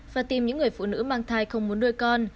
và tìm những người phụ nữ băng thai không muốn nuôi con